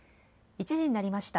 １時になりました。